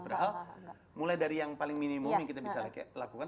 padahal mulai dari yang paling minimum yang kita bisa lakukan